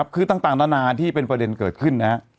คือต่างระนะที่เป็นประเด็นเกิดขึ้น